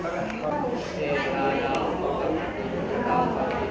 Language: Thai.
ทุติยังปิตพุทธธาเป็นที่พึ่ง